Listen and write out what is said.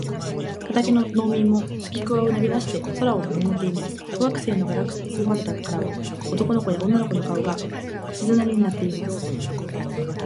畑の農民もすきくわを投げだして空を見まもっています。小学校のガラス窓からは、男の子や女の子の顔が、鈴なりになっています。